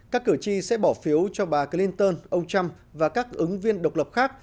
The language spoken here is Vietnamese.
các cử tri sẽ bỏ phiếu cho bà clinton ông trump và các ứng viên độc lập khác